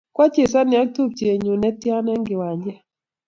Kwa chezani ak tupchet nyun ne tie eng kiwanjet